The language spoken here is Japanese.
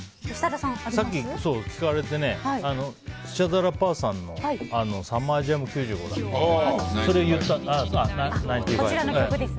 さっき聞かれてスチャダラパーさんの「サマージャム’９５」だっけ。